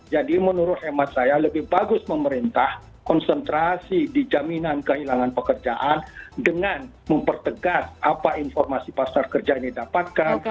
jadi menurut hemat saya lebih bagus pemerintah konsentrasi di jaminan kehilangan pekerjaan dengan mempertegas apa informasi pasar kerja ini dapatkan